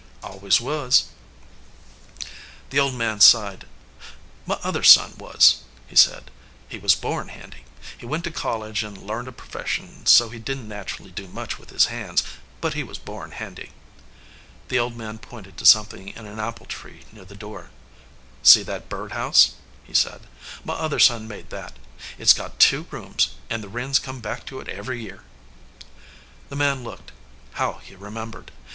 "Always was." The old man sighed. "My other son was," he said. "He was born handy. He went to college an learned a profession, so he didn t naturally do much with his hands, but he was born handy." The old man pointed to something in an apple tree near the door. "See that bird house?" he said. "My other son made that. It s got two rooms, an* the wrens come back to it every year." The man looked. How he remembered!